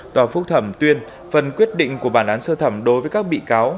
tòa phúc thẩm tuyên phần quyết định của bản án sơ thẩm đối với các bị cáo